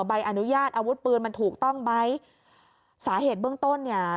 ใบอนุญาตอาวุธปืนมันถูกต้องไหมสาเหตุเบื้องต้นเนี่ย